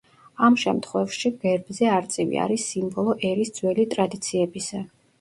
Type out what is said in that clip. ამ შემთხვევში გერბზე არწივი არის სიმბოლო ერის ძველი ტრადიციებისა.